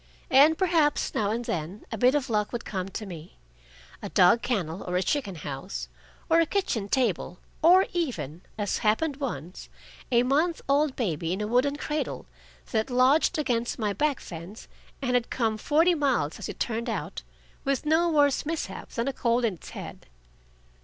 And perhaps now and then a bit of luck would come to me a dog kennel or a chicken house, or a kitchen table, or even, as happened once, a month old baby in a wooden cradle, that lodged against my back fence, and had come forty miles, as it turned out, with no worse mishap than a cold in its head.